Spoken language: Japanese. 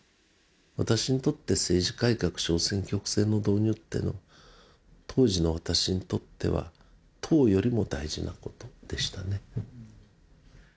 私にとって政治改革小選挙区制の導入っていうのは当時の私にとっては党よりも大事なことでしたね